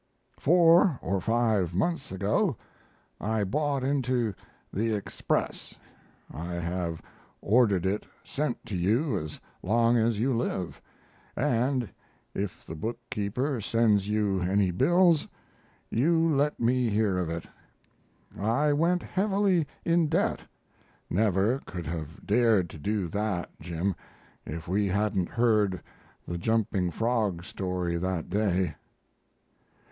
Four or five months ago I bought into the Express (I have ordered it sent to you as long as you live, and if the bookkeeper sends you any bills you let me hear of it). I went heavily in debt never could have dared to do that, Jim, if we hadn't heard the jumping Frog story that day.